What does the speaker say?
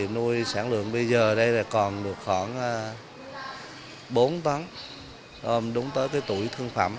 nuôi sản lượng bây giờ còn được khoảng bốn tấn đúng tới tuổi thương phẩm